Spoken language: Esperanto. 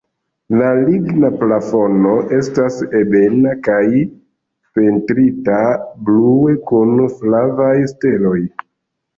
La ligna plafono estas ebena kaj pentrita blue kun flavaj steloj.